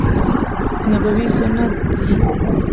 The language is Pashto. نبوي سنت دي.